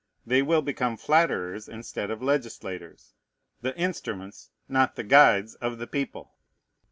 They will become flatterers instead of legislators, the instruments, not the guides of the people.